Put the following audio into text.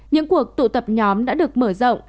những cuộc tụ tập nhóm đã được mở rộng